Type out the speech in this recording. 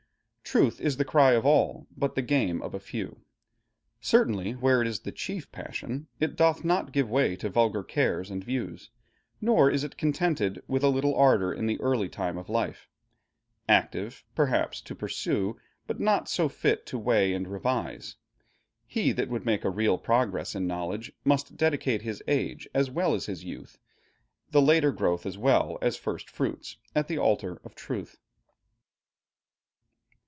Truth is the cry of all, but the game of a few. Certainly where it is the chief passion, it doth not give way to vulgar cares and views; nor is it contented with a little ardor in the early time of life; active, perhaps, to pursue, but not so fit to weigh and revise. He that would make a real progress in knowledge, must dedicate his age as well as youth, the later growth as well as first fruits, at the altar of truth....